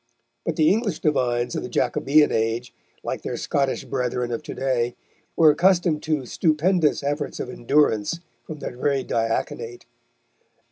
But the English divines of the Jacobean age, like their Scottish brethren of to day, were accustomed to stupendous efforts of endurance from their very diaconate.